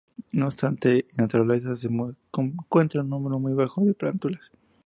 No obstante en la naturaleza se encuentra un número muy bajo de plántulas.